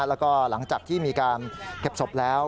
แล้วก็หลังจากที่มีการเก็บศพแล้ว